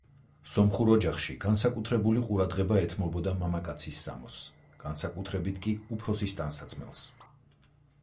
სომხურ ოჯახში განსაკუთრებული ყურადღება ეთმობოდა მამაკაცის სამოსს, განსაკუთრებით კი სახლის უფროსის ტანსაცმელს.